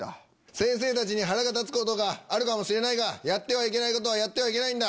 先生たちに腹が立つことがあるかもしれないがやってはいけないことはやってはいけないんだ。